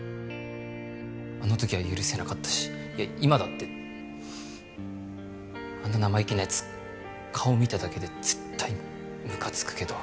あの時は許せなかったし今だってあんな生意気な奴顔見ただけで絶対ムカつくけど。